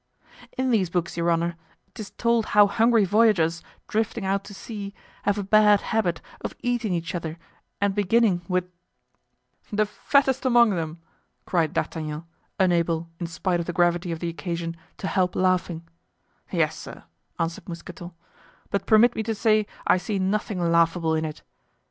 "In these books, your honor, 'tis told how hungry voyagers, drifting out to sea, have a bad habit of eating each other and beginning with——" "The fattest among them!" cried D'Artagnan, unable in spite of the gravity of the occasion to help laughing. "Yes, sir," answered Mousqueton; "but permit me to say I see nothing laughable in it.